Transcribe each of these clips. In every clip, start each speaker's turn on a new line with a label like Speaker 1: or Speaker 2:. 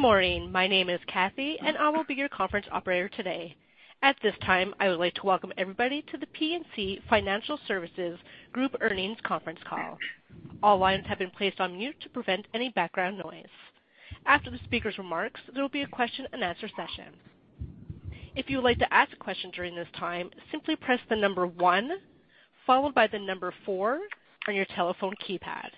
Speaker 1: Good morning. My name is Kathy, and I will be your conference operator today. At this time, I would like to welcome everybody to The PNC Financial Services Group Earnings Conference Call. All lines have been placed on mute to prevent any background noise. After the speaker's remarks, there will be a question and answer session. If you would like to ask a question during this time, simply press the number one followed by the number four on your telephone keypad.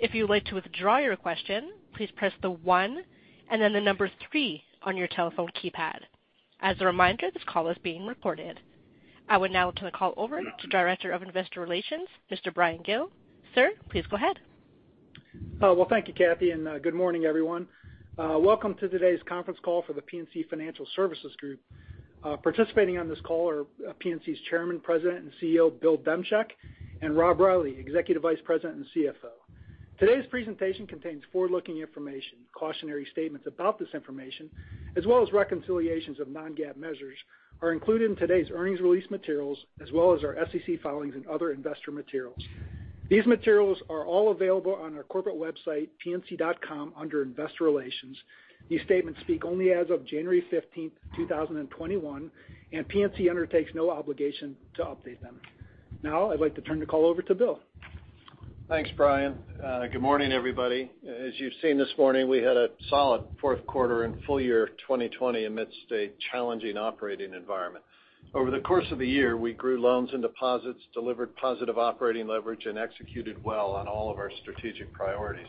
Speaker 1: If you would like to withdraw your question, please press the one and then the number three on your telephone keypad. As a reminder, this call is being recorded. I would now turn the call over to Director of Investor Relations, Mr. Bryan Gill. Sir, please go ahead.
Speaker 2: Well, thank you, Kathy. Good morning, everyone. Welcome to today's conference call for The PNC Financial Services Group. Participating on this call are PNC's Chairman, President, and CEO, Bill Demchak, and Rob Reilly, Executive Vice President and CFO. Today's presentation contains forward-looking information. Cautionary statements about this information, as well as reconciliations of non-GAAP measures, are included in today's earnings release materials, as well as our SEC filings and other investor materials. These materials are all available on our corporate website, pnc.com, under Investor Relations. These statements speak only as of January 15th, 2021, and PNC undertakes no obligation to update them. Now, I'd like to turn the call over to Bill.
Speaker 3: Thanks, Bryan. Good morning, everybody. As you've seen this morning, we had a solid fourth quarter and full year 2020 amidst a challenging operating environment. Over the course of the year, we grew loans and deposits, delivered positive operating leverage, and executed well on all of our strategic priorities.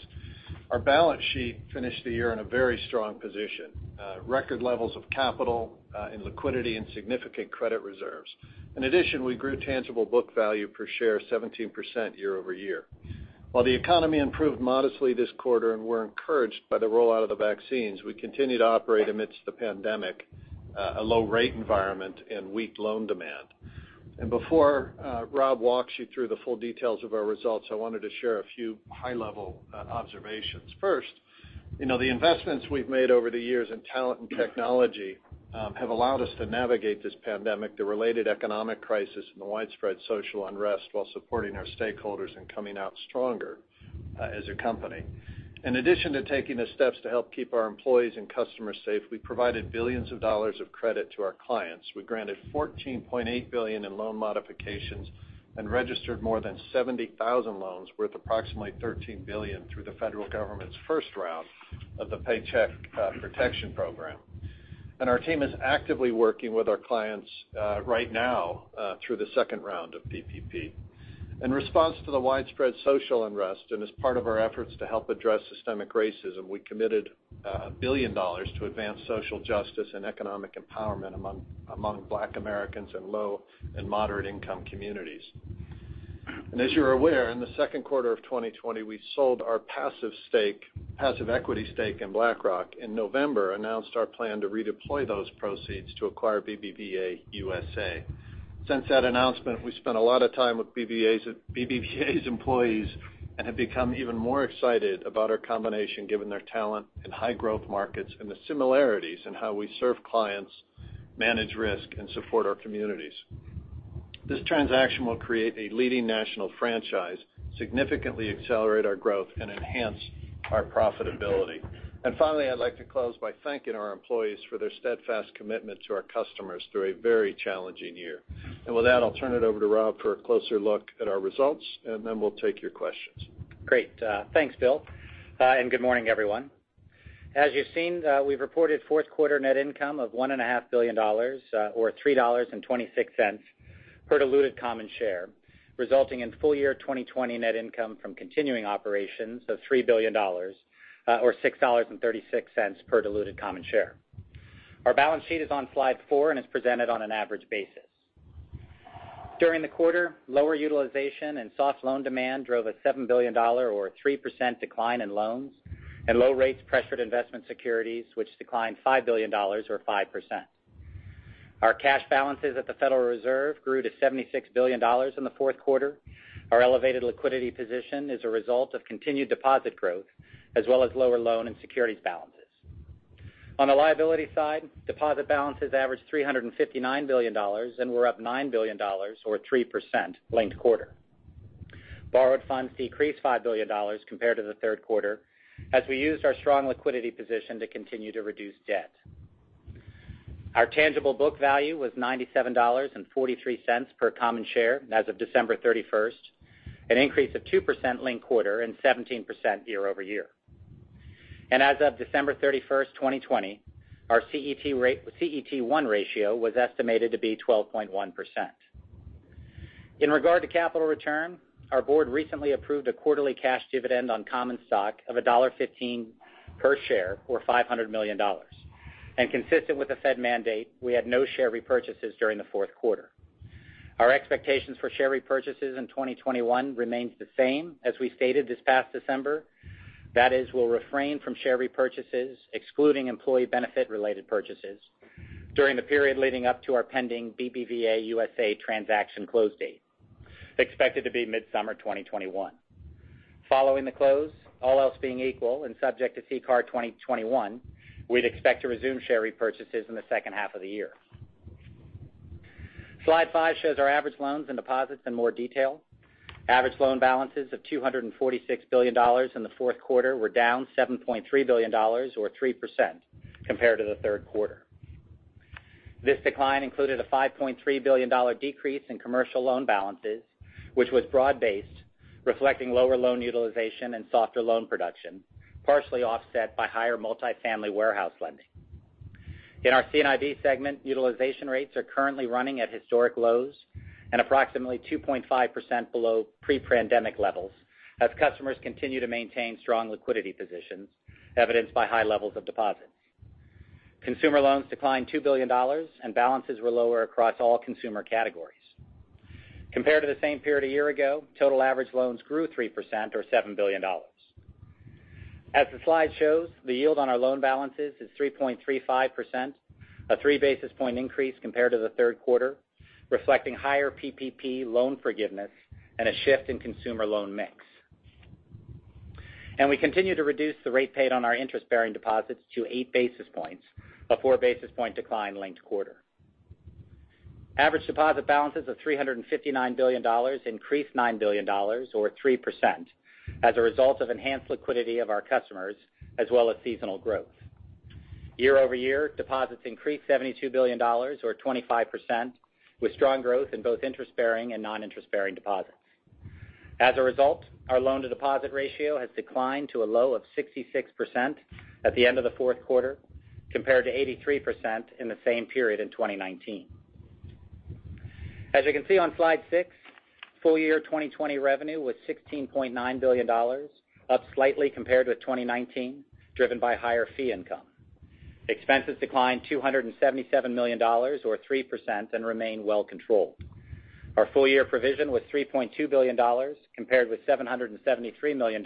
Speaker 3: Our balance sheet finished the year in a very strong position. Record levels of capital and liquidity and significant credit reserves. In addition, we grew tangible book value per share 17% year-over-year. While the economy improved modestly this quarter and we're encouraged by the rollout of the vaccines, we continue to operate amidst the pandemic, a low rate environment, and weak loan demand. Before Rob walks you through the full details of our results, I wanted to share a few high-level observations. First, the investments we've made over the years in talent and technology have allowed us to navigate this pandemic, the related economic crisis, and the widespread social unrest while supporting our stakeholders and coming out stronger as a company. In addition to taking the steps to help keep our employees and customers safe, we provided billions of dollars of credit to our clients. We granted $14.8 billion in loan modifications, and registered more than 70,000 loans worth approximately $13 billion through the federal government's first round of the Paycheck Protection Program. Our team is actively working with our clients right now through the second round of PPP. In response to the widespread social unrest, and as part of our efforts to help address systemic racism, we committed a billion dollars to advance social justice and economic empowerment among Black Americans in low and moderate income communities. As you're aware, in the second quarter of 2020, we sold our passive equity stake in BlackRock. In November, announced our plan to redeploy those proceeds to acquire BBVA USA. Since that announcement, we've spent a lot of time with BBVA's employees and have become even more excited about our combination given their talent and high growth markets, and the similarities in how we serve clients, manage risk, and support our communities. This transaction will create a leading national franchise, significantly accelerate our growth, and enhance our profitability. Finally, I'd like to close by thanking our employees for their steadfast commitment to our customers through a very challenging year. With that, I'll turn it over to Rob for a closer look at our results, and then we'll take your questions.
Speaker 4: Great. Thanks, Bill. Good morning, everyone. As you've seen, we've reported fourth quarter net income of $1.5 billion, or $3.26 per diluted common share, resulting in full year 2020 net income from continuing operations of $3 billion, or $6.36 per diluted common share. Our balance sheet is on slide four and is presented on an average basis. During the quarter, lower utilization and soft loan demand drove a $7 billion, or 3% decline in loans, and low rates pressured investment securities, which declined $5 billion, or 5%. Our cash balances at the Federal Reserve grew to $76 billion in the fourth quarter. Our elevated liquidity position is a result of continued deposit growth, as well as lower loan and securities balances. On the liability side, deposit balances averaged $359 billion and were up $9 billion, or 3% linked quarter. Borrowed funds decreased $5 billion compared to the third quarter, as we used our strong liquidity position to continue to reduce debt. Our tangible book value was $97.43 per common share as of December 31st. An increase of 2% linked quarter and 17% year-over-year. As of December 31st, 2020, our CET1 ratio was estimated to be 12.1%. In regard to capital return, our board recently approved a quarterly cash dividend on common stock of $1.15 per share, or $500 million. Consistent with the Fed mandate, we had no share repurchases during the fourth quarter. Our expectations for share repurchases in 2021 remains the same as we stated this past December. That is, we'll refrain from share repurchases, excluding employee benefit related purchases, during the period leading up to our pending BBVA USA transaction close date, expected to be mid-summer 2021. Following the close, all else being equal and subject to CCAR 2021, we'd expect to resume share repurchases in the second half of the year. Slide five shows our average loans and deposits in more detail. Average loan balances of $246 billion in the fourth quarter were down $7.3 billion or 3% compared to the third quarter. This decline included a $5.3 billion decrease in commercial loan balances, which was broad-based, reflecting lower loan utilization and softer loan production, partially offset by higher multifamily warehouse lending. In our C&IB segment, utilization rates are currently running at historic lows and approximately 2.5% below pre-pandemic levels as customers continue to maintain strong liquidity positions, evidenced by high levels of deposits. Consumer loans declined $2 billion and balances were lower across all consumer categories. Compared to the same period a year ago, total average loans grew 3% or $7 billion. As the slide shows, the yield on our loan balances is 3.35%, a 3 basis point increase compared to the third quarter, reflecting higher PPP loan forgiveness and a shift in consumer loan mix. We continue to reduce the rate paid on our interest-bearing deposits to 8 basis points, a 4 basis point decline linked-quarter. Average deposit balances of $359 billion increased $9 billion or 3% as a result of enhanced liquidity of our customers as well as seasonal growth. Year-over-year, deposits increased $72 billion or 25%, with strong growth in both interest-bearing and non-interest-bearing deposits. As a result, our loan-to-deposit ratio has declined to a low of 66% at the end of the fourth quarter, compared to 83% in the same period in 2019. As you can see on slide six, full year 2020 revenue was $16.9 billion, up slightly compared with 2019, driven by higher fee income. Expenses declined $277 million or 3% and remain well controlled. Our full-year provision was $3.2 billion compared with $773 million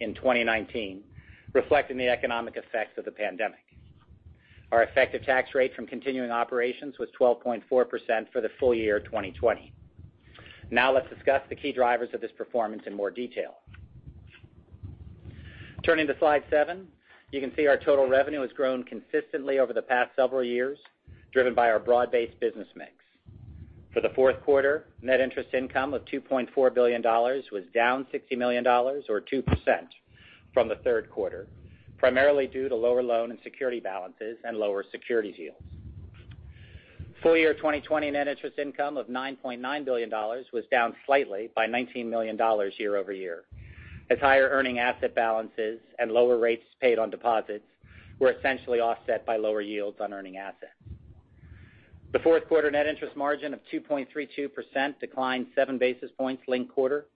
Speaker 4: in 2019, reflecting the economic effects of the pandemic. Our effective tax rate from continuing operations was 12.4% for the full year 2020. Now, let's discuss the key drivers of this performance in more detail. Turning to slide seven, you can see our total revenue has grown consistently over the past several years, driven by our broad-based business mix. For the fourth quarter, net interest income of $2.4 billion was down $60 million or 2% from the third quarter, primarily due to lower loan and security balances and lower securities yields. Full year 2020 net interest income of $9.9 billion was down slightly by $19 million year-over-year, as higher earning asset balances and lower rates paid on deposits were essentially offset by lower yields on earning assets. The fourth quarter net interest margin of 2.32% declined 7 basis points linked quarter.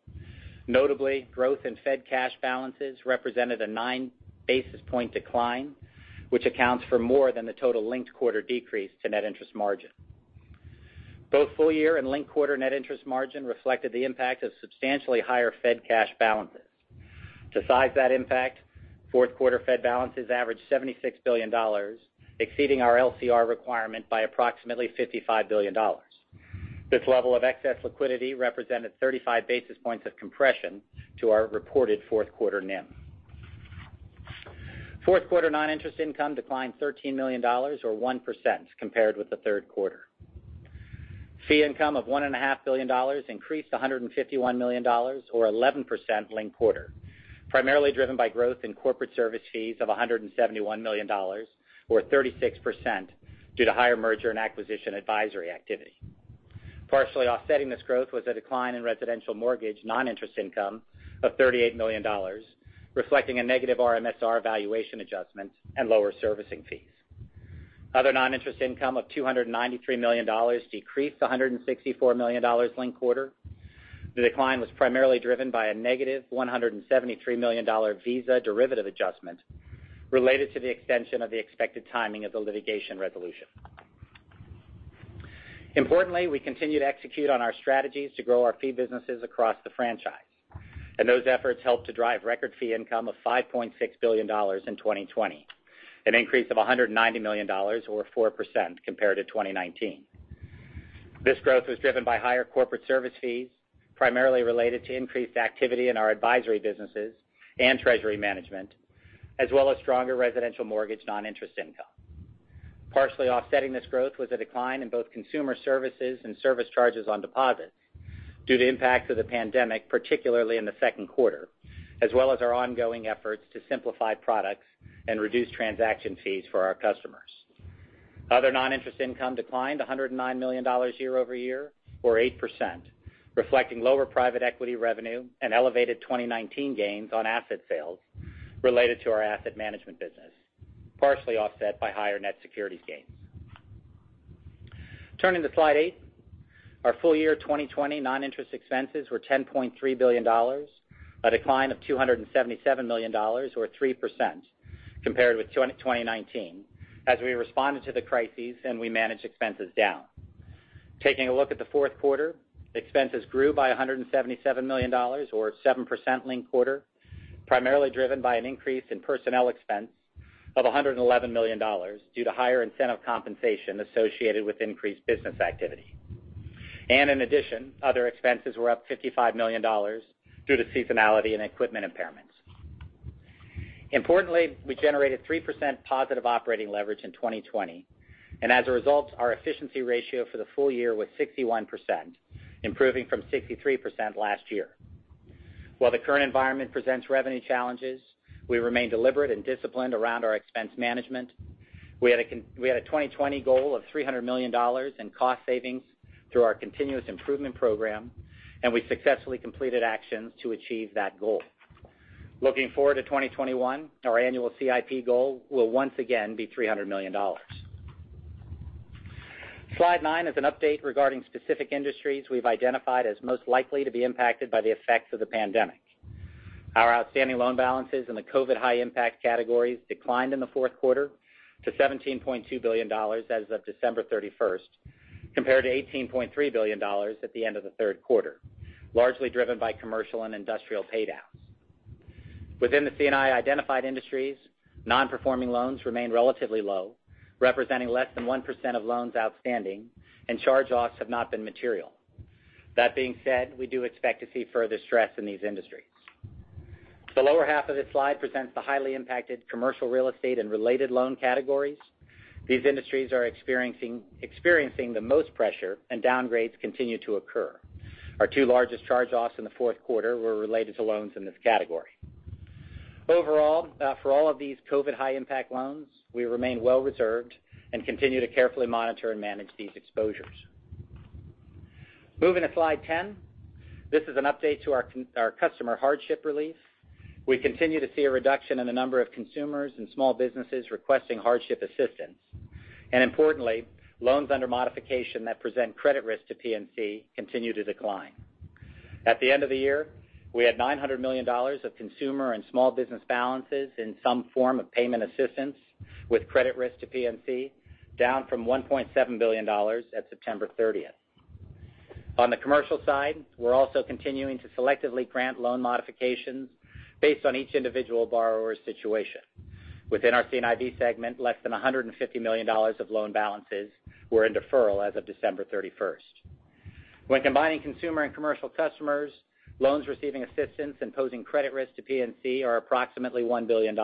Speaker 4: Notably, growth in Fed cash balances represented a 9 basis point decline, which accounts for more than the total linked quarter decrease to net interest margin. Both full year and linked quarter net interest margin reflected the impact of substantially higher Fed cash balances. To size that impact, fourth quarter Fed balances averaged $76 billion, exceeding our LCR requirement by approximately $55 billion. This level of excess liquidity represented 35 basis points of compression to our reported fourth quarter NIM. Fourth quarter non-interest income declined $13 million or 1% compared with the third quarter. Fee income of $1.5 billion increased $151 million or 11% linked quarter, primarily driven by growth in corporate service fees of $171 million or 36% due to higher merger and acquisition advisory activity. Partially offsetting this growth was a decline in residential mortgage non-interest income of $38 million, reflecting a negative MSR valuation adjustment and lower servicing fees. Other non-interest income of $293 million decreased $164 million linked quarter. The decline was primarily driven by a negative $173 million Visa derivative adjustment related to the extension of the expected timing of the litigation resolution. Importantly, we continue to execute on our strategies to grow our fee businesses across the franchise, and those efforts helped to drive record fee income of $5.6 billion in 2020, an increase of $190 million or 4% compared to 2019. This growth was driven by higher corporate service fees, primarily related to increased activity in our advisory businesses and treasury management, as well as stronger residential mortgage non-interest income. Partially offsetting this growth was a decline in both consumer services and service charges on deposits due to impacts of the pandemic, particularly in the second quarter, as well as our ongoing efforts to simplify products and reduce transaction fees for our customers. Other non-interest income declined $109 million year-over-year or 8%, reflecting lower private equity revenue and elevated 2019 gains on asset sales related to our asset management business, partially offset by higher net securities gains. Turning to slide eight, our full year 2020 non-interest expenses were $10.3 billion, a decline of $277 million or 3% compared with 2019 as we responded to the crises and we managed expenses down. Taking a look at the fourth quarter, expenses grew by $177 million or 7% linked quarter, primarily driven by an increase in personnel expense of $111 million due to higher incentive compensation associated with increased business activity. In addition, other expenses were up $55 million due to seasonality and equipment impairments. Importantly, we generated 3% positive operating leverage in 2020. As a result, our efficiency ratio for the full year was 61%, improving from 63% last year. While the current environment presents revenue challenges, we remain deliberate and disciplined around our expense management. We had a 2020 goal of $300 million in cost savings through our Continuous Improvement Program, and we successfully completed actions to achieve that goal. Looking forward to 2021, our annual CIP goal will once again be $300 million. Slide nine is an update regarding specific industries we've identified as most likely to be impacted by the effects of the pandemic. Our outstanding loan balances in the COVID high impact categories declined in the fourth quarter to $17.2 billion as of December 31st, compared to $18.3 billion at the end of the third quarter, largely driven by commercial and industrial pay-downs. Within the C&I identified industries, non-performing loans remain relatively low, representing less than 1% of loans outstanding, and charge-offs have not been material. That being said, we do expect to see further stress in these industries. The lower half of this slide presents the highly impacted commercial real estate and related loan categories. These industries are experiencing the most pressure, and downgrades continue to occur. Our two largest charge-offs in the fourth quarter were related to loans in this category. Overall, for all of these COVID high impact loans, we remain well reserved and continue to carefully monitor and manage these exposures. Moving to slide 10. This is an update to our customer hardship relief. We continue to see a reduction in the number of consumers and small businesses requesting hardship assistance. Importantly, loans under modification that present credit risk to PNC continue to decline. At the end of the year, we had $900 million of consumer and small business balances in some form of payment assistance with credit risk to PNC, down from $1.7 billion at September 30th. On the commercial side, we are also continuing to selectively grant loan modifications based on each individual borrower's situation. Within our C&I segment, less than $150 million of loan balances were in deferral as of December 31st. When combining consumer and commercial customers, loans receiving assistance and posing credit risk to PNC are approximately $1 billion,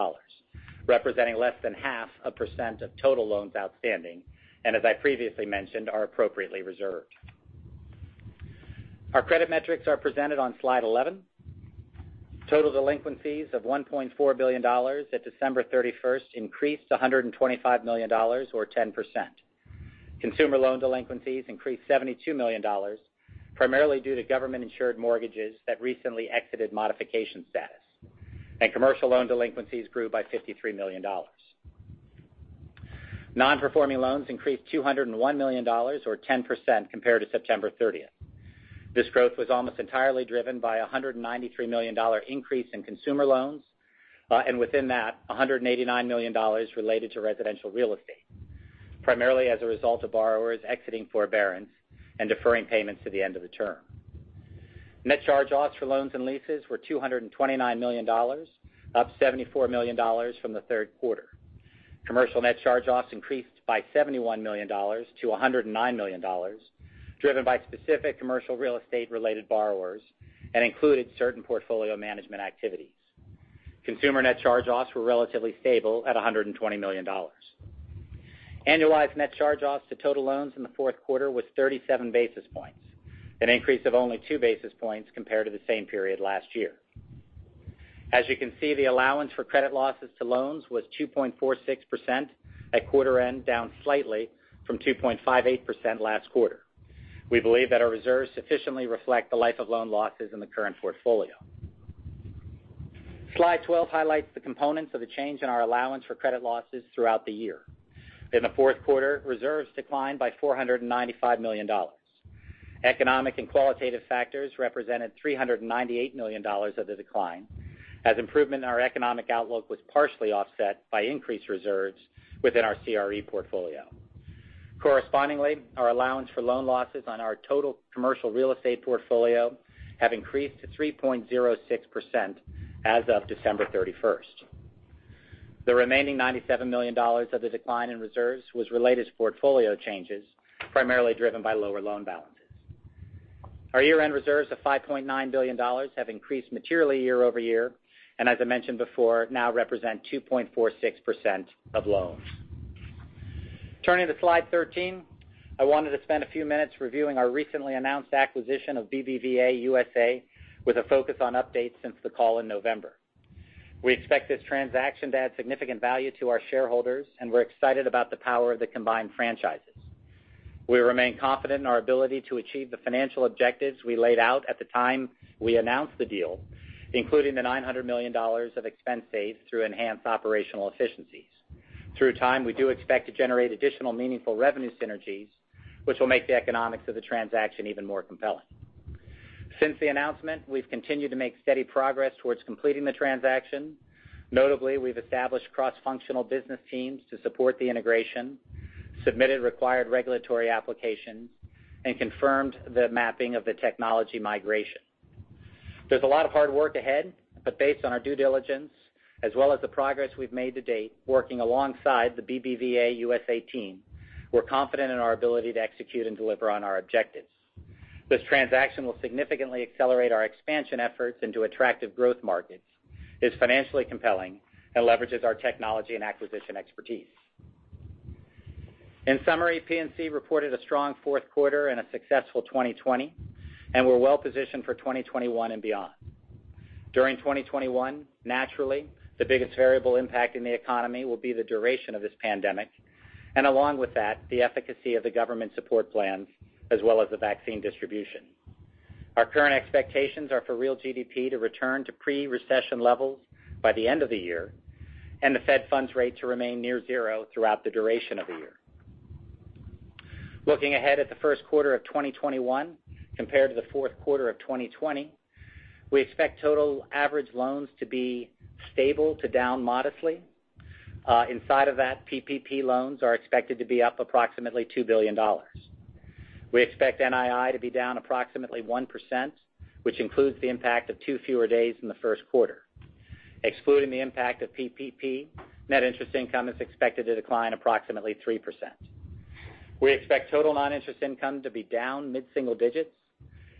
Speaker 4: representing less than half a percent of total loans outstanding, and as I previously mentioned, are appropriately reserved. Our credit metrics are presented on slide 11. Total delinquencies of $1.4 billion at December 31st increased to $125 million, or 10%. Consumer loan delinquencies increased $72 million, primarily due to government-insured mortgages that recently exited modification status. Commercial loan delinquencies grew by $53 million. Non-performing loans increased $201 million, or 10%, compared to September 30th. This growth was almost entirely driven by $193 million increase in consumer loans, and within that, $189 million related to residential real estate, primarily as a result of borrowers exiting forbearance and deferring payments to the end of the term. Net charge-offs for loans and leases were $229 million, up $74 million from the third quarter. Commercial net charge-offs increased by $71 million to $109 million, driven by specific commercial real estate-related borrowers and included certain portfolio management activity. Consumer net charge-offs were relatively stable at $120 million. Annualized net charge-offs to total loans in the fourth quarter was 37 basis points, an increase of only 2 basis points compared to the same period last year. As you can see, the allowance for credit losses to loans was 2.46% at quarter end, down slightly from 2.58% last quarter. We believe that our reserves sufficiently reflect the life of loan losses in the current portfolio. Slide 12 highlights the components of the change in our allowance for credit losses throughout the year. In the fourth quarter, reserves declined by $495 million. Economic and qualitative factors represented $398 million of the decline, as improvement in our economic outlook was partially offset by increased reserves within our CRE portfolio. Correspondingly, our allowance for loan losses on our total commercial real estate portfolio have increased to 3.06% as of December 31st. The remaining $97 million of the decline in reserves was related to portfolio changes, primarily driven by lower loan balances. Our year-end reserves of $5.9 billion have increased materially year-over-year, and as I mentioned before, now represent 2.46% of loans. Turning to slide 13, I wanted to spend a few minutes reviewing our recently announced acquisition of BBVA USA with a focus on updates since the call in November. We expect this transaction to add significant value to our shareholders, we're excited about the power of the combined franchises. We remain confident in our ability to achieve the financial objectives we laid out at the time we announced the deal, including the $900 million of expense saves through enhanced operational efficiencies. Through time, we do expect to generate additional meaningful revenue synergies, which will make the economics of the transaction even more compelling. Since the announcement, we've continued to make steady progress towards completing the transaction. Notably, we've established cross-functional business teams to support the integration, submitted required regulatory applications, and confirmed the mapping of the technology migration. There's a lot of hard work ahead, but based on our due diligence, as well as the progress we've made to date working alongside the BBVA USA team, we're confident in our ability to execute and deliver on our objectives. This transaction will significantly accelerate our expansion efforts into attractive growth markets, is financially compelling, and leverages our technology and acquisition expertise. In summary, PNC reported a strong fourth quarter and a successful 2020, and we're well-positioned for 2021 and beyond. During 2021, naturally, the biggest variable impact in the economy will be the duration of this pandemic, and along with that, the efficacy of the government support plans, as well as the vaccine distribution. Our current expectations are for real GDP to return to pre-recession levels by the end of the year, and the Fed funds rate to remain near zero throughout the duration of the year. Looking ahead at the first quarter of 2021 compared to the fourth quarter of 2020, we expect total average loans to be stable to down modestly. Inside of that, PPP loans are expected to be up approximately $2 billion. We expect NII to be down approximately 1%, which includes the impact of two fewer days in the first quarter. Excluding the impact of PPP, net interest income is expected to decline approximately 3%. We expect total non-interest income to be down mid-single digit.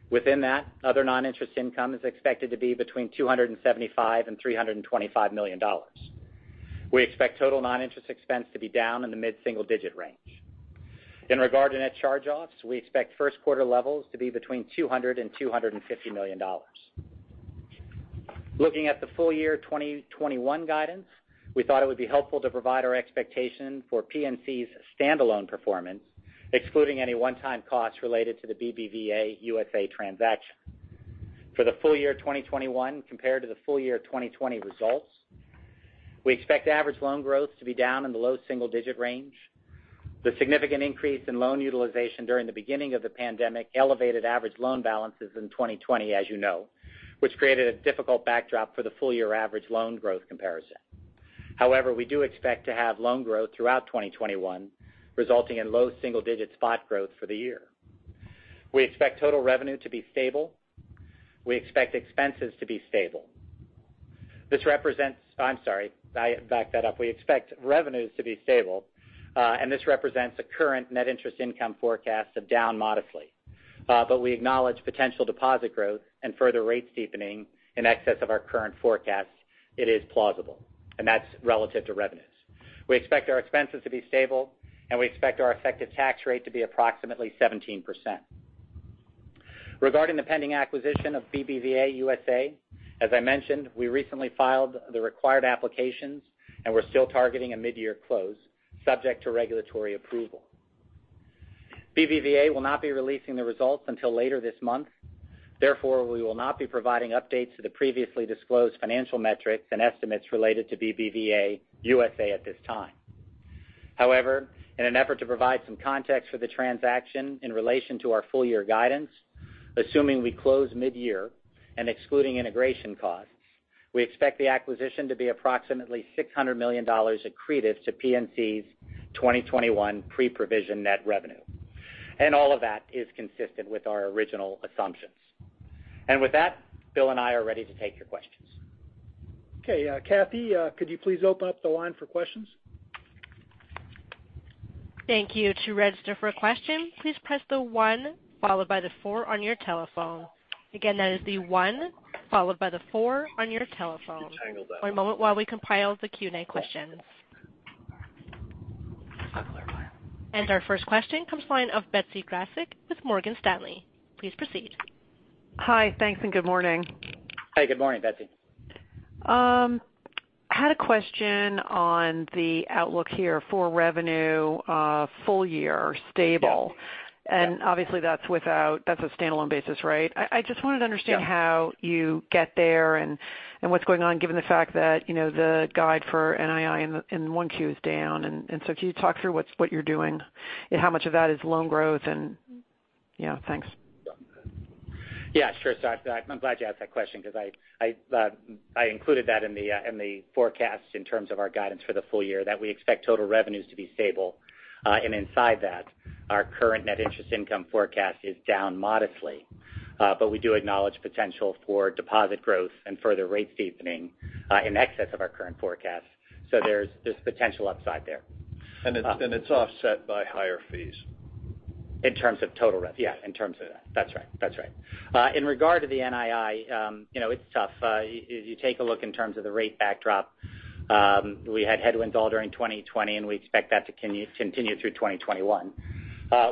Speaker 4: Within that, other non-interest income is expected to be between $275 million and $325 million. We expect total non-interest expense to be down in the mid-single-digit range. In regard to net charge-offs, we expect first quarter levels to be between $200 million and $250 million. Looking at the full year 2021 guidance, we thought it would be helpful to provide our expectation for PNC's standalone performance, excluding any one-time costs related to the BBVA USA transaction. For the full year 2021 compared to the full year 2020 results, we expect average loan growth to be down in the low single-digit range. The significant increase in loan utilization during the beginning of the pandemic elevated average loan balances in 2020, as you know, which created a difficult backdrop for the full-year average loan growth comparison. We do expect to have loan growth throughout 2021, resulting in low single-digit spot growth for the year. We expect total revenue to be stable. We expect expenses to be stable. I'm sorry, back that up. We expect revenues to be stable, and this represents a current net interest income forecast of down modestly. We acknowledge potential deposit growth and further rate steepening in excess of our current forecast. It is plausible, and that's relative to revenues. We expect our expenses to be stable, and we expect our effective tax rate to be approximately 17%. Regarding the pending acquisition of BBVA USA, as I mentioned, we recently filed the required applications, and we're still targeting a mid-year close, subject to regulatory approval. BBVA will not be releasing the results until later this month. Therefore, we will not be providing updates to the previously disclosed financial metrics and estimates related to BBVA USA at this time. However, in an effort to provide some context for the transaction in relation to our full year guidance, assuming we close mid-year and excluding integration costs, we expect the acquisition to be approximately $600 million accretive to PNC's 2021 pre-provision net revenue. All of that is consistent with our original assumptions. With that, Bill and I are ready to take your questions.
Speaker 2: Okay, Kathy, could you please open up the line for questions?
Speaker 1: Thank you. To register for a question, please press the one followed by the four on your telephone. Again, that will be one followed by the four on your telephone. One moment while we compile the Q&A questions. Our first question comes line of Betsy Graseck with Morgan Stanley. Please proceed.
Speaker 5: Hi. Thanks and good morning.
Speaker 4: Hey. Good morning, Betsy.
Speaker 5: I had a question on the outlook here for revenue full year stable.
Speaker 4: Yes.
Speaker 5: Obviously that's a standalone basis, right? I just wanted to understand-
Speaker 4: Yeah.
Speaker 5: how you get there and what's going on, given the fact that the guide for NII in 1Q is down. Can you talk through what you're doing and how much of that is loan growth? Yeah, thanks.
Speaker 4: Yeah, sure. I'm glad you asked that question because I included that in the forecast in terms of our guidance for the full year, that we expect total revenues to be stable. Inside that, our current net interest income forecast is down modestly. We do acknowledge potential for deposit growth and further rate steepening in excess of our current forecast. There's potential upside there.
Speaker 3: It's offset by higher fees.
Speaker 4: In terms of total rev. Yeah, in terms of that. That's right. In regard to the NII, it's tough. If you take a look in terms of the rate backdrop, we had headwinds all during 2020. We expect that to continue through 2021.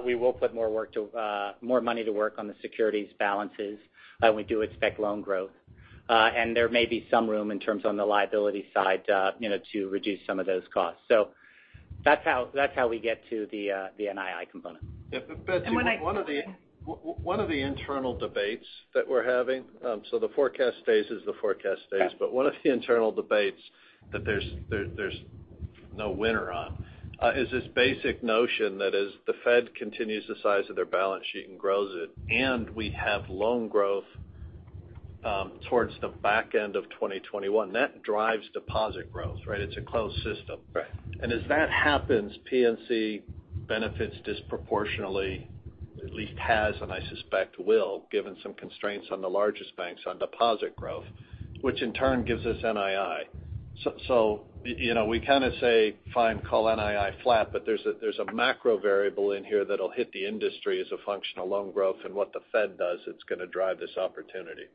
Speaker 4: We will put more money to work on the securities balances. We do expect loan growth. There may be some room in terms on the liability side to reduce some of those costs. That's how we get to the NII component.
Speaker 3: Yeah. Betsy, one of the internal debates that we're having, so the forecast stays as the forecast stays. One of the internal debates that there's no winner on is this basic notion that as the Fed continues the size of their balance sheet and grows it, and we have loan growth towards the back end of 2021, that drives deposit growth, right? It's a closed system.
Speaker 4: Right.
Speaker 3: As that happens, PNC benefits disproportionately, at least has, and I suspect will, given some constraints on the largest banks on deposit growth, which in turn gives us NII. We kinda say fine, call NII flat, but there's a macro variable in here that'll hit the industry as a function of loan growth and what the Fed does, it's going to drive this opportunity.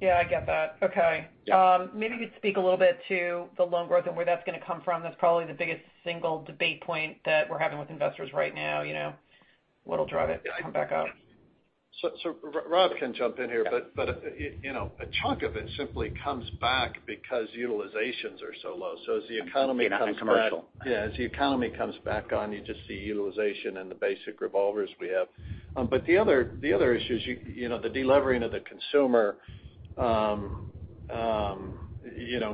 Speaker 5: Yeah, I get that. Okay.
Speaker 3: Yeah.
Speaker 5: Maybe you'd speak a little bit to the loan growth and where that's going to come from. That's probably the biggest single debate point that we're having with investors right now. What'll drive it to come back up?
Speaker 3: Rob can jump in here.
Speaker 4: Yeah.
Speaker 3: A chunk of it simply comes back because utilizations are so low. As the economy comes back-
Speaker 4: Commercial.
Speaker 3: yeah, as the economy comes back on, you just see utilization in the basic revolvers we have. The other issue is the de-levering of the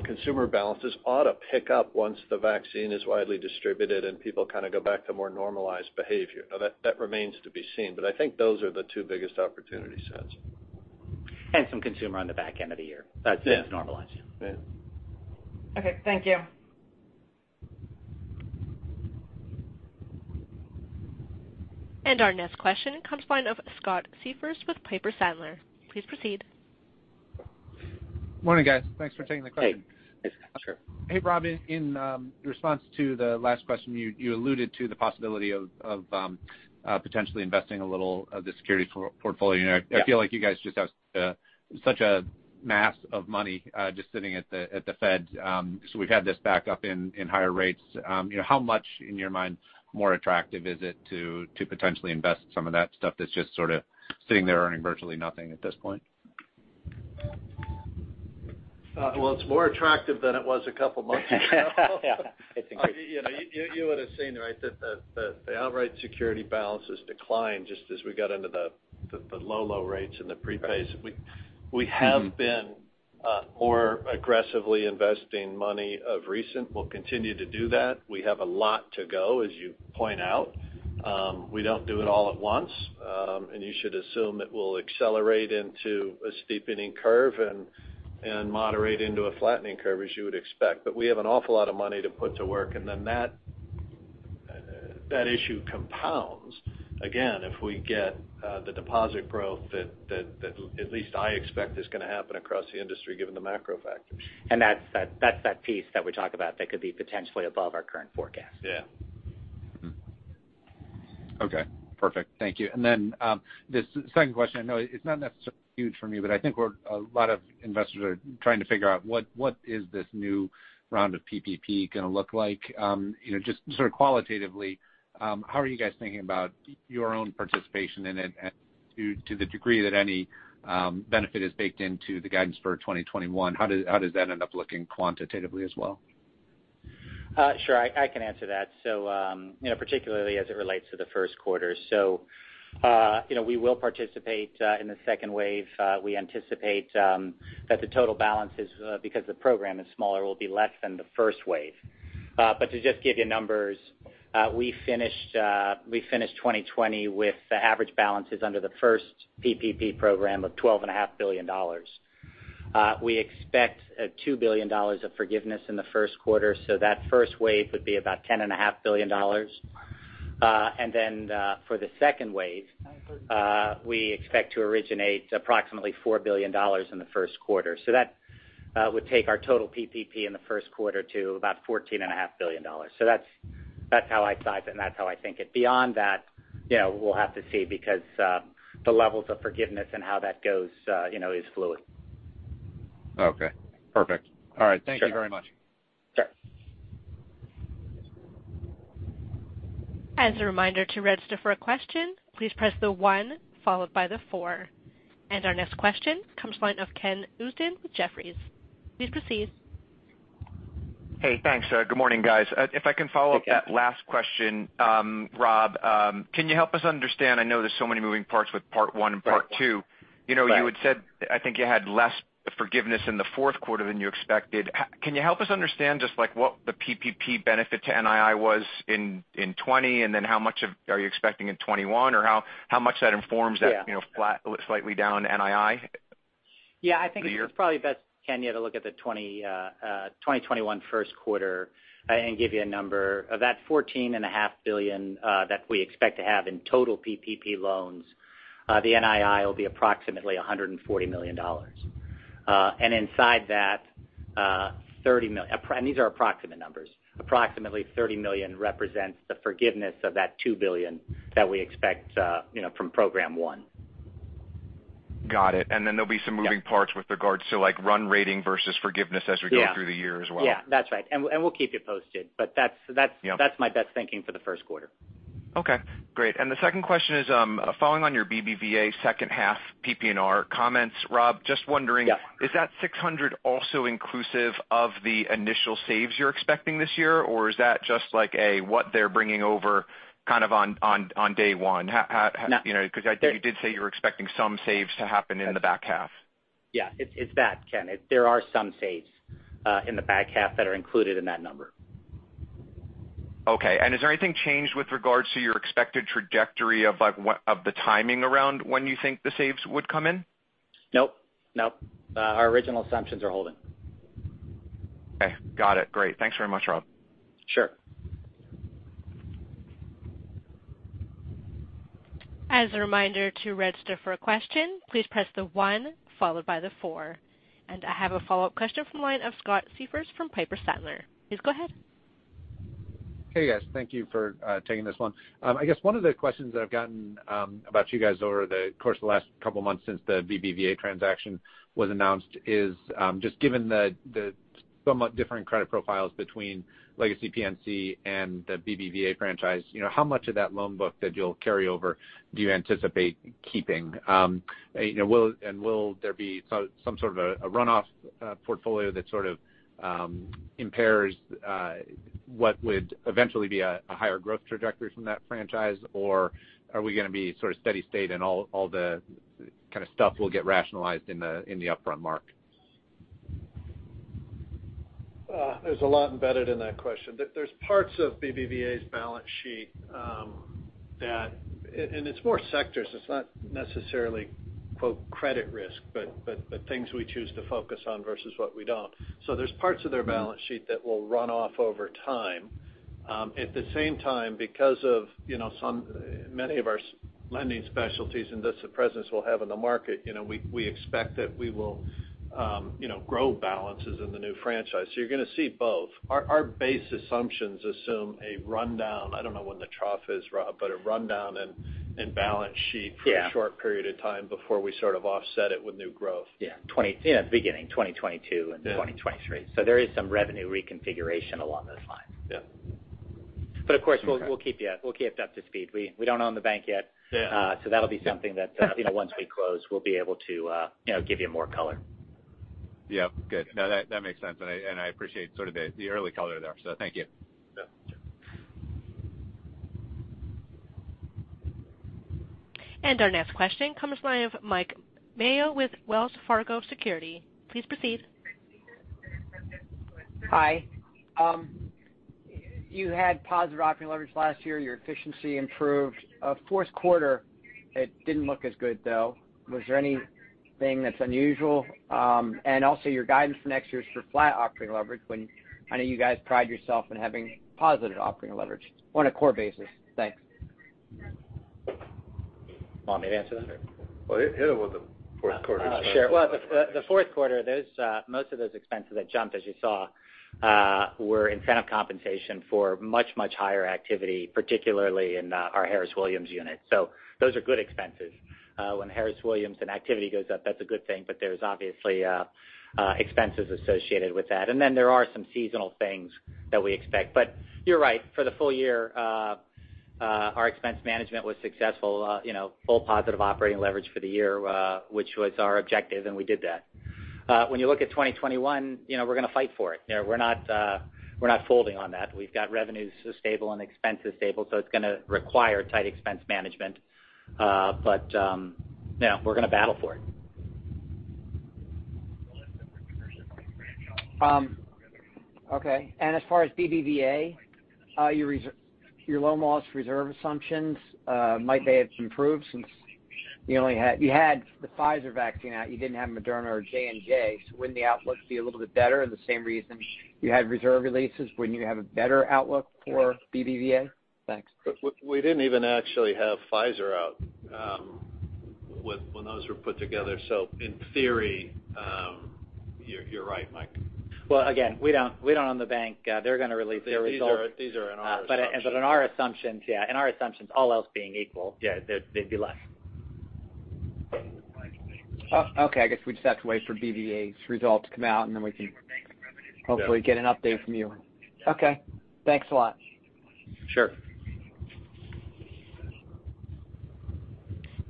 Speaker 3: consumer balances ought to pick up once the vaccine is widely distributed and people go back to more normalized behavior. Now, that remains to be seen, but I think those are the two biggest opportunity sets.
Speaker 4: Some consumer on the back end of the year.
Speaker 3: Yeah.
Speaker 4: That's normalized.
Speaker 3: Yeah.
Speaker 5: Okay. Thank you.
Speaker 1: Our next question comes by way of Scott Siefers with Piper Sandler. Please proceed.
Speaker 6: Morning, guys. Thanks for taking the question.
Speaker 4: Hey, Scott. Sure.
Speaker 6: Hey, Rob. In response to the last question, you alluded to the possibility of potentially investing a little of the securities portfolio in there.
Speaker 4: Yeah.
Speaker 6: I feel like you guys just have such a mass of money just sitting at the Fed. We've had this back up in higher rates. How much, in your mind, more attractive is it to potentially invest some of that stuff that's just sitting there earning virtually nothing at this point?
Speaker 3: Well, it's more attractive than it was a couple months ago.
Speaker 4: Yeah.
Speaker 3: You would've seen, right, that the outright security balances declined just as we got into the low rates and the prepay.
Speaker 6: Right.
Speaker 3: We have been more aggressively investing money of recent. We'll continue to do that. We have a lot to go, as you point out. We don't do it all at once. You should assume it will accelerate into a steepening curve and moderate into a flattening curve as you would expect. We have an awful lot of money to put to work, and then that issue compounds, again, if we get the deposit growth that at least I expect is going to happen across the industry, given the macro factors.
Speaker 4: That's that piece that we talk about that could be potentially above our current forecast.
Speaker 3: Yeah.
Speaker 6: Okay. Perfect. Thank you. The second question, I know it's not necessarily huge for me, but I think a lot of investors are trying to figure out what is this new round of PPP going to look like. Just qualitatively, how are you guys thinking about your own participation in it, and to the degree that any benefit is baked into the guidance for 2021, how does that end up looking quantitatively as well?
Speaker 4: Sure. I can answer that. Particularly as it relates to the first quarter. We will participate in the second wave. We anticipate that the total balances because the program is smaller, will be less than the first wave. To just give you numbers, we finished 2020 with average balances under the first PPP program of $12.5 billion. We expect $2 billion of forgiveness in the first quarter. That first wave would be about $10.5 billion. For the second wave we expect to originate approximately $4 billion in the first quarter. That would take our total PPP in the first quarter to about $14.5 billion. That's how I size it, and that's how I think it. Beyond that, we'll have to see because the levels of forgiveness and how that goes is fluid.
Speaker 6: Okay. Perfect. All right.
Speaker 4: Sure.
Speaker 6: Thank you very much.
Speaker 4: Sure.
Speaker 1: As a reminder, to register for a question, please press the one followed by the four. Our next question comes line of Ken Usdin with Jefferies. Please proceed.
Speaker 7: Hey, thanks. Good morning, guys.
Speaker 4: Hey, Ken.
Speaker 7: That last question. Rob, can you help us understand, I know there's so many moving parts with part one and part two.
Speaker 4: Right.
Speaker 7: You had said, I think you had less forgiveness in the fourth quarter than you expected. Can you help us understand just like what the PPP benefit to NII was in 2020, and then how much are you expecting in 2021, or how much that informs that-
Speaker 4: Yeah.
Speaker 7: flat, slightly down NII for the year?
Speaker 4: Yeah, I think it's probably best, Ken, you have a look at the 2021 first quarter and give you a number. Of that $14.5 billion that we expect to have in total PPP loans, the NII will be approximately $140 million. Inside that, and these are approximate numbers, approximately $30 million represents the forgiveness of that $2 billion that we expect from program one.
Speaker 7: Got it. There'll be some moving parts-
Speaker 4: Yeah.
Speaker 7: with regards to run rating versus forgiveness as we go-
Speaker 4: Yeah.
Speaker 7: through the year as well.
Speaker 4: Yeah, that's right. We'll keep you posted.
Speaker 7: Yeah.
Speaker 4: That's my best thinking for the first quarter.
Speaker 7: Okay. Great. The second question is following on your BBVA second half PPNR comments, Rob.
Speaker 4: Yeah.
Speaker 7: Is that $600 also inclusive of the initial saves you're expecting this year? Or is that just like a what they're bringing over kind of on day one?
Speaker 4: No.
Speaker 7: You did say you were expecting some saves to happen in the back half.
Speaker 4: Yeah. It's that, Ken. There are some saves in the back half that are included in that number.
Speaker 7: Okay. Has there anything changed with regards to your expected trajectory of the timing around when you think the saves would come in?
Speaker 4: Nope. Our original assumptions are holding.
Speaker 7: Okay. Got it. Great. Thanks very much, Rob.
Speaker 4: Sure.
Speaker 1: As a reminder, to register for a question, please press the one followed by the four. I have a follow-up question from the line of Scott Siefers from Piper Sandler. Please go ahead.
Speaker 6: Hey guys, thank you for taking this one. I guess one of the questions that I've gotten about you guys over the course of the last couple of months since the BBVA transaction was announced is just given the somewhat different credit profiles between legacy PNC and the BBVA franchise, how much of that loan book that you'll carry over do you anticipate keeping? Will there be some sort of a runoff portfolio that sort of impairs what would eventually be a higher growth trajectory from that franchise or are we going to be sort of steady state and all the kind of stuff will get rationalized in the upfront mark?
Speaker 3: There's a lot embedded in that question. There's parts of BBVA's balance sheet that, and it's more sectors, it's not necessarily "credit risk," but things we choose to focus on versus what we don't. There's parts of their balance sheet that will run off over time. At the same time, because of many of our lending specialties and thus the presence we'll have in the market, we expect that we will grow balances in the new franchise. You're going to see both. Our base assumptions assume a rundown, I don't know when the trough is, Rob, but a rundown in balance sheet-
Speaker 4: Yeah.
Speaker 3: for a short period of time before we sort of offset it with new growth.
Speaker 4: Yeah. Beginning 2022 into 2023. There is some revenue reconfiguration along those lines.
Speaker 3: Yeah.
Speaker 4: Of course, we'll keep you up to speed. We don't own the bank yet.
Speaker 3: Yeah.
Speaker 4: That'll be something that, once we close, we'll be able to give you more color.
Speaker 6: Yep. Good. That makes sense. I appreciate sort of the early color there, so thank you.
Speaker 3: Yeah. Sure.
Speaker 1: Our next question comes to the line of Mike Mayo with Wells Fargo Securities. Please proceed.
Speaker 8: Hi. You had positive operating leverage last year. Your efficiency improved. Fourth quarter, it didn't look as good, though. Was there anything that's unusual? Also, your guidance for next year is for flat operating leverage when I know you guys pride yourself in having positive operating leverage on a core basis. Thanks.
Speaker 4: Want me to answer that?
Speaker 3: Well, hit them with the fourth quarter.
Speaker 4: Sure. The fourth quarter, most of those expenses that jumped, as you saw, were incentive compensation for much, much higher activity, particularly in our Harris Williams unit. Those are good expenses. When Harris Williams and activity goes up, that's a good thing, there's obviously expenses associated with that. There are some seasonal things that we expect. You're right. For the full year, our expense management was successful. Full positive operating leverage for the year, which was our objective, and we did that. When you look at 2021, we're going to fight for it. We're not folding on that. We've got revenues stable and expenses stable, it's going to require tight expense management. We're going to battle for it.
Speaker 8: Okay. As far as BBVA, your loan loss reserve assumptions, might they have improved since you had the Pfizer vaccine out, you didn't have Moderna or J&J, wouldn't the outlook be a little bit better? The same reason you had reserve releases, wouldn't you have a better outlook for BBVA? Thanks.
Speaker 3: We didn't even actually have Pfizer out when those were put together. In theory, you're right, Mike.
Speaker 4: Well, again, we don't own the bank. They're going to release their results.
Speaker 3: These are in our assumptions.
Speaker 4: In our assumptions, yeah. In our assumptions, all else being equal, yeah, they'd be less.
Speaker 8: Okay. I guess we just have to wait for BBVA's results to come out and then we can hopefully get an update from you. Okay. Thanks a lot.
Speaker 4: Sure.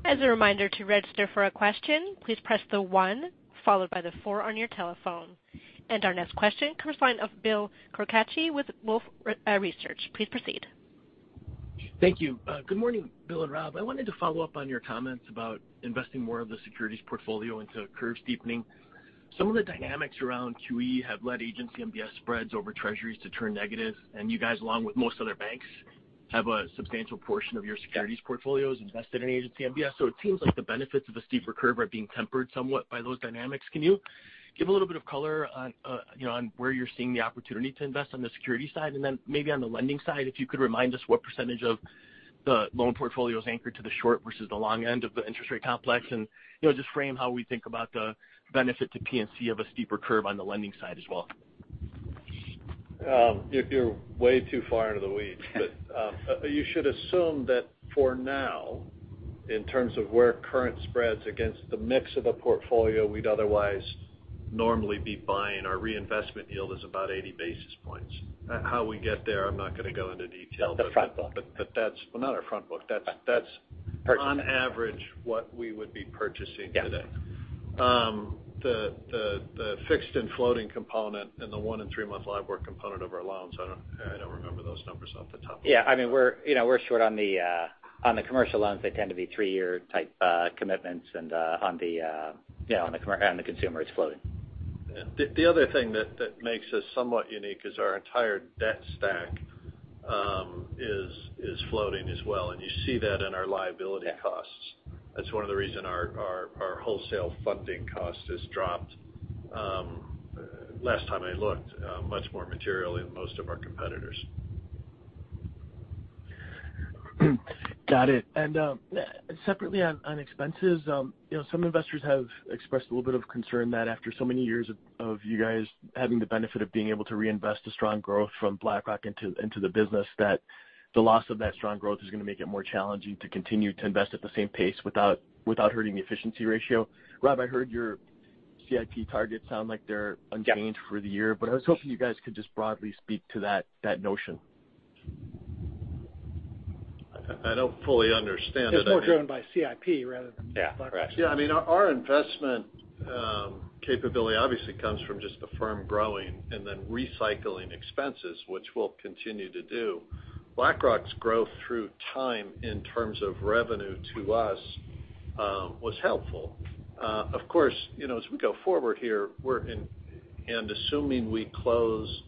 Speaker 1: As a reminder, to register for a question, please press the one followed by the four on your telephone. Our next question comes to the line of Bill Carcache with Wolfe Research. Please proceed.
Speaker 9: Thank you. Good morning, Bill and Rob. I wanted to follow up on your comments about investing more of the securities portfolio into curve steepening. Some of the dynamics around QE have led agency MBS spreads over Treasuries to turn negative. You guys, along with most other banks, have a substantial portion of your securities portfolios invested in agency MBS. It seems like the benefits of a steeper curve are being tempered somewhat by those dynamics. Can you give a little bit of color on where you're seeing the opportunity to invest on the security side? Maybe on the lending side, if you could remind us what percentage of the loan portfolio is anchored to the short versus the long end of the interest rate complex, and just frame how we think about the benefit to PNC of a steeper curve on the lending side as well?
Speaker 3: You're way too far into the weeds. You should assume that for now, in terms of where current spreads against the mix of a portfolio we'd otherwise normally be buying, our reinvestment yield is about 80 basis points. How we get there, I'm not going to go into detail.
Speaker 4: That's the front book.
Speaker 3: Well, not our front book.
Speaker 4: Right.
Speaker 3: That's on average what we would be purchasing today.
Speaker 4: Yeah.
Speaker 3: The fixed and floating component and the one and three-month LIBOR component of our loans, I don't remember those numbers off the top of my head.
Speaker 4: We're short on the commercial loans. They tend to be three-year type commitments and on the consumer, it's floating.
Speaker 3: The other thing that makes us somewhat unique is our entire debt stack is floating as well. You see that in our liability cost. That's one of the reason our wholesale funding cost has dropped, last time I looked, much more material in most of our competitors.
Speaker 9: Got it. Separately on expenses, some investors have expressed a little bit of concern that after so many years of you guys having the benefit of being able to reinvest the strong growth from BlackRock into the business, that the loss of that strong growth is going to make it more challenging to continue to invest at the same pace without hurting the efficiency ratio. Rob, I heard your CIP targets sound like they're unchanged for the year. I was hoping you guys could just broadly speak to that notion.
Speaker 3: I don't fully understand it.
Speaker 4: It's more driven by CIP rather than-
Speaker 9: Yeah.
Speaker 4: BlackRock.
Speaker 3: Yeah. Our investment capability obviously comes from just the firm growing and then recycling expenses, which we'll continue to do. BlackRock's growth through time in terms of revenue to us was helpful. Of course, as we go forward here, and assuming we close,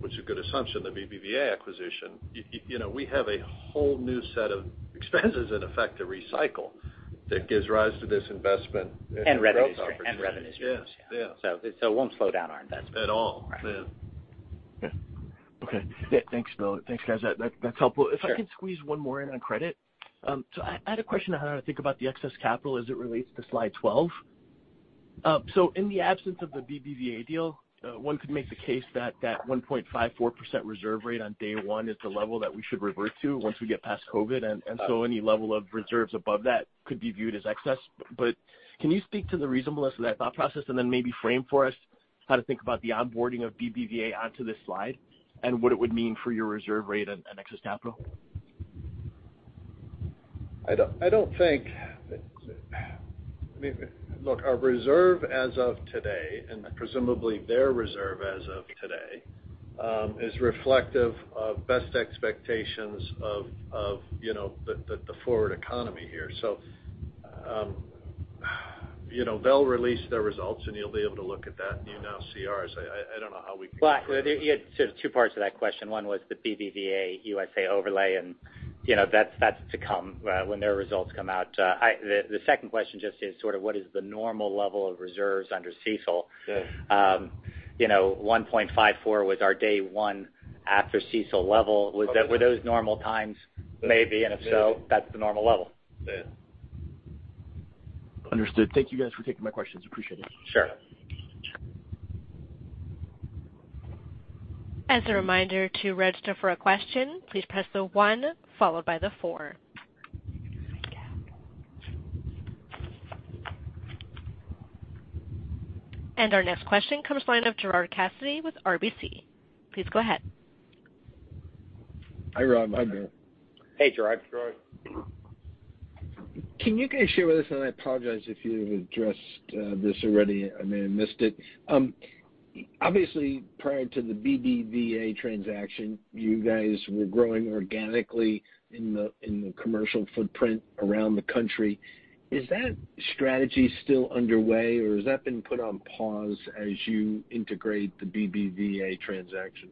Speaker 3: which is a good assumption, the BBVA acquisition, we have a whole new set of expenses in effect to recycle.
Speaker 4: Revenue streams.
Speaker 3: Yes.
Speaker 4: It won't slow down our investment.
Speaker 3: At all.
Speaker 9: Okay. Thanks, Bill. Thanks, guys. That's helpful. If I could squeeze one more in on credit. I had a question on how to think about the excess capital as it relates to slide 12. In the absence of the BBVA deal, one could make the case that that 1.54% reserve rate on day one is the level that we should revert to once we get past COVID. Any level of reserves above that could be viewed as excess. Can you speak to the reasonableness of that thought process and then maybe frame for us how to think about the onboarding of BBVA onto this slide and what it would mean for your reserve rate and excess capital?
Speaker 3: Look, our reserve as of today, and presumably their reserve as of today, is reflective of best expectations of the forward economy here. They'll release their results, and you'll be able to look at that, and you now see ours. I don't know how we can.
Speaker 4: Well, there are two parts to that question. One was the BBVA USA overlay, and that's to come when their results come out. The second question just is sort of what is the normal level of reserves under CECL?
Speaker 3: Yes.
Speaker 4: 1.54 was our day one after CECL level. Were those normal times? Maybe. If so, that's the normal level.
Speaker 3: Yeah.
Speaker 9: Understood. Thank you guys for taking my questions. Appreciate it.
Speaker 4: Sure.
Speaker 1: As a reminder to register for a question, please press the one followed by the four. Our next question comes from the line of Gerard Cassidy with RBC. Please go ahead.
Speaker 10: Hi, Rob. Hi, Bill.
Speaker 4: Hey, Gerard.
Speaker 3: Gerard.
Speaker 10: Can you guys share with us, and I apologize if you've addressed this already and I missed it. Obviously, prior to the BBVA transaction, you guys were growing organically in the commercial footprint around the country. Is that strategy still underway, or has that been put on pause as you integrate the BBVA transaction?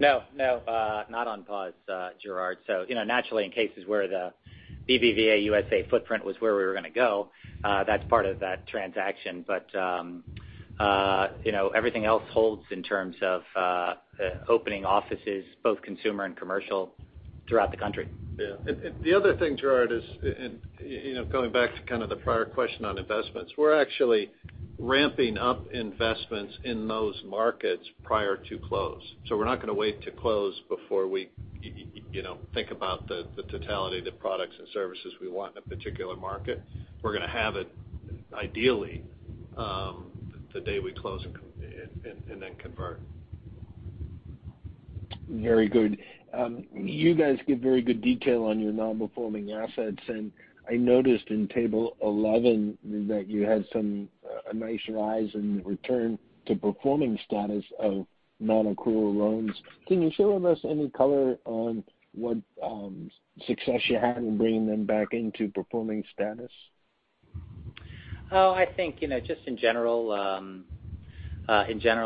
Speaker 4: No. Not on pause, Gerard. Naturally in cases where the BBVA USA footprint was where we were going to go, that's part of that transaction. Everything else holds in terms of opening offices, both consumer and commercial, throughout the country.
Speaker 3: Yeah. The other thing, Gerard, is going back to kind of the prior question on investments. We're actually ramping up investments in those markets prior to close. We're not going to wait to close before we think about the totality of the products and services we want in a particular market. We're going to have it ideally the day we close and then convert.
Speaker 10: Very good. You guys give very good detail on your non-performing assets, and I noticed in table 11 that you had a nice rise in the return to performing status of non-accrual loans. Can you share with us any color on what success you had in bringing them back into performing status?
Speaker 4: I think just in general,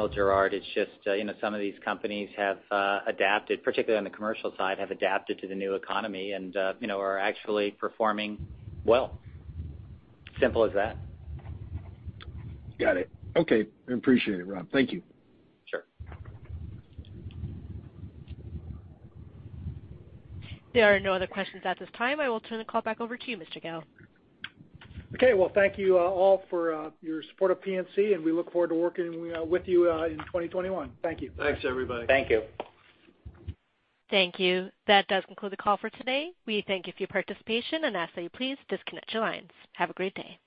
Speaker 4: Gerard, it's just some of these companies have adapted, particularly on the commercial side, have adapted to the new economy and are actually performing well. Simple as that.
Speaker 10: Got it. Okay. I appreciate it, Rob. Thank you.
Speaker 4: Sure.
Speaker 1: There are no other questions at this time. I will turn the call back over to you, Mr. Gill.
Speaker 2: Okay. Well, thank you all for your support of PNC. We look forward to working with you in 2021. Thank you.
Speaker 3: Thanks, everybody.
Speaker 4: Thank you.
Speaker 1: Thank you. That does conclude the call for today. We thank you for your participation and ask that you please disconnect your lines. Have a great day.